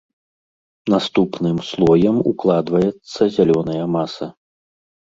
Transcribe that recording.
Наступным слоем укладваецца зялёная маса.